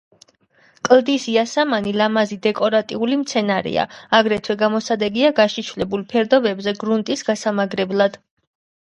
კლდის იასამანი ლამაზი დეკორატიული მცენარეა, აგრეთვე გამოსადეგია გაშიშვლებულ ფერდობებზე გრუნტის გასამაგრებლად.